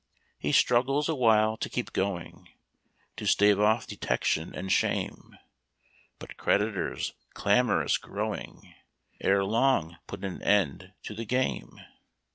He struggles awhile to keep going, To stave off detection and shame; But creditors, clamorous growing, Ere long put an end to the game.